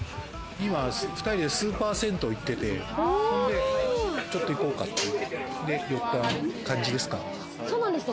今２人でスーパー銭湯へ行ってて、ちょっと行こうかって寄った感じですかね。